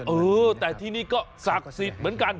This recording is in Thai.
เออแต่ที่นี่ก็ศักดิ์สิทธิ์เหมือนกัน